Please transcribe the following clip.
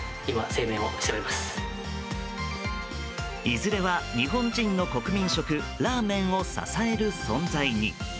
いずれは、日本人の国民食ラーメンを支える存在に。